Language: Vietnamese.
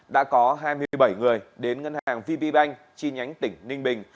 đã có hai mươi bảy người đến ngân hàng vb bank chi nhánh tỉnh ninh bình